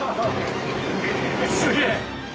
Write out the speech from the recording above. すげえ！